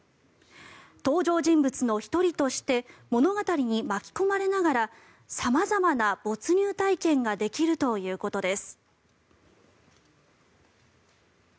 登場人物の１人として物語に巻き込まれながら様々な没入体験ができるということです。